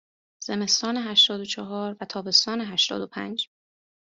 زمستان هشتاد و چهار و تابستان هشتاد و پنج